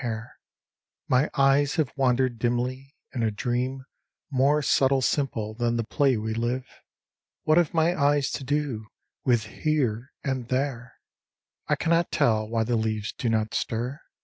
hair My eyes have wandered dimly, in a dream More subtle simple than the play we live. What have my eyes to do with Here and There ? 67 IN THE NET OF THE STARS I cannot tell why the leaves do not stir.